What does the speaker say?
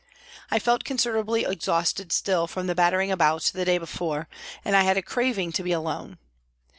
I felt considerably exhausted still from the battering about the day before, and I had a craving to be alone.